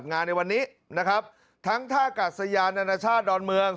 งานในวันนี้นะครับทั้งท่ากาศยานานาชาติดอนเมือง